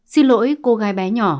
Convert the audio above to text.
xin lỗi cô gái bé nhỏ